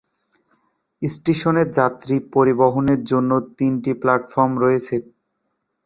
স্টেশনে যাত্রী পরিবহনের জন্য তিনটি প্ল্যাটফর্ম রয়েছে।